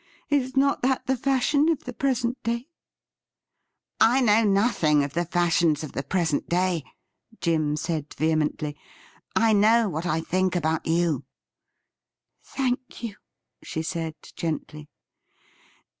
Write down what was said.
Is not that the fashion of the present day .'''' I know nothing of the fashions of the present day,' Jim said vehemently. ' I know what I think about you.' ' Thank you,' she said gently.